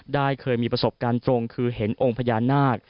ได้เคยมีประสบการณ์ตรงคือเห็นองค์พญานาค